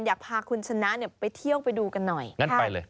อยากพาคุณชนะเนี่ยไปเที่ยวไปดูกันหน่อยงั้นไปเลย